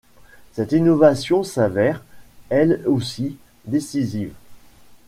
Cette innovation s'avère, elle aussi, décisive.